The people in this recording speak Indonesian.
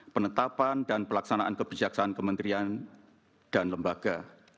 penetapan dan pelaksanaan kebijaksaan kementerian dan lembaga